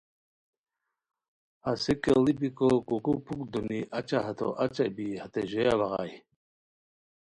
ہسے کیڑی بیکو کوکو پُھک دونی اچی ہتو اچہ بی ہتے ژویہ بغائے